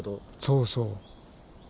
そうそう。